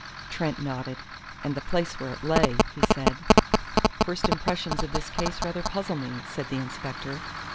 Trent nodded. "And the place where it lay," he said. "First impressions of this case rather puzzle me," said the inspector.